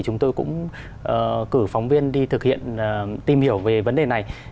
chúng tôi cũng cử phóng viên đi thực hiện tìm hiểu về vấn đề này